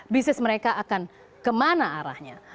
bisnis mereka akan kemana arahnya